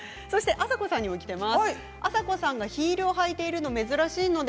あさこさんにもきています。